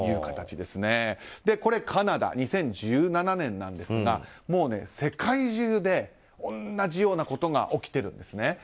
これはカナダ２０１７年なんですが世界中で同じようなことが起きてるんですね。